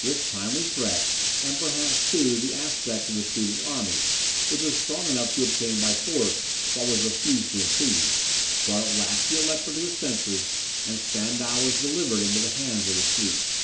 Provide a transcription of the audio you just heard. This timely threat, and perhaps, too, the aspect of the Swedish army, which was strong enough to obtain by force what was refused to entreaty, brought at last the Elector to his senses, and Spandau was delivered into the hands of the Swedes.